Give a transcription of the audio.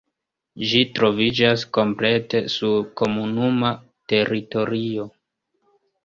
Ĝi troviĝas komplete sur komunuma teritorio.